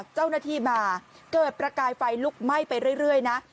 เจ้าหน้าที่มาเกิดประกายไฟลุกไหม้ไปเรื่อยนะ